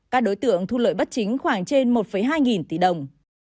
các đối tượng thu lợi bất chính khoảng trên một hai nghìn tỷ đồng